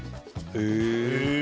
へえ。